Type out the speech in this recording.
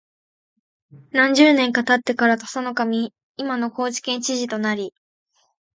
何十年か経ってから土佐守（いまの高知県知事）となり、